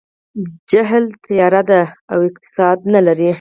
جهل تیاره ده او اقتصاد نه لري.